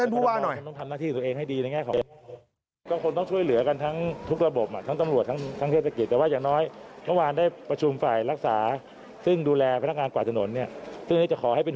เป็นโอกาสที่ทำให้คนร้ายลงมือก่อเหตุได้